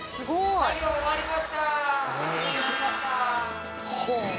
ありがとうございます。